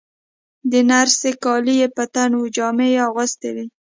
د نرسې کالي یې په تن وو، جامې یې اغوستې وې.